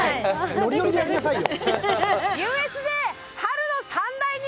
ノリノリでやりなさいよ！